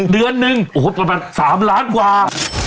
เดือนหนึ่งโอ้โหประมาณ๓ล้านกว่า